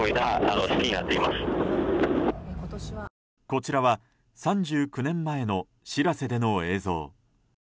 こちらは３９年前の「しらせ」での映像。